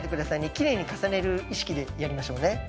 きれいに重ねる意識でやりましょうね。